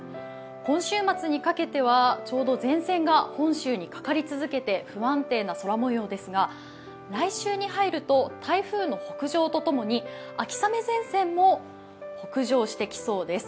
今週末にかけては、ちょうど前線が本州にかかり続けて不安定な空もようですが来週に入ると台風の北上とともに秋雨前線も北上してきそうです。